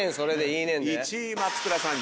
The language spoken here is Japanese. １位松倉さん